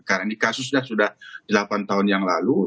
karena ini kasusnya sudah delapan tahun yang lalu